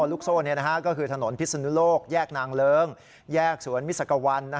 ลูกโซ่ก็คือถนนพิศนุโลกแยกนางเลิ้งแยกสวนมิสักวัน